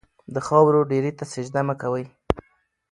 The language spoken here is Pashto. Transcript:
د خاورو ډېري ته سجده مه کوئ.